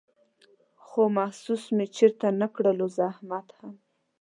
خو محسوس مې چېرته نه کړلو زحمت هم